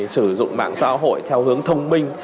sử dụng mạng xã hội theo hướng thông minh